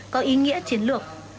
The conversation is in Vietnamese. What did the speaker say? có ý nghĩa chiến lược